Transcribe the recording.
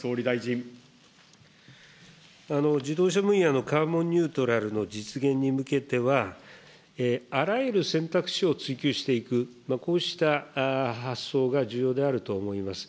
自動車分野のカーボンニュートラルの実現に向けては、あらゆる選択肢を追求していく、こうした発想が重要であると思います。